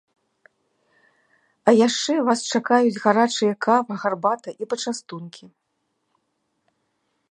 А яшчэ вас чакаюць гарачыя кава, гарбата і пачастункі.